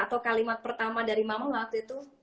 atau kalimat pertama dari mama waktu itu